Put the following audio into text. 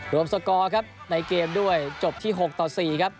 สกอร์ครับในเกมด้วยจบที่๖ต่อ๔ครับ